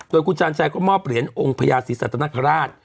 ส่วนกุญชาชัยก็มอบเหรียญองค์พญาศิสตานธราช